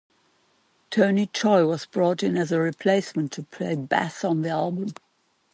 Tony Choy was brought in as a replacement to play bass on the album.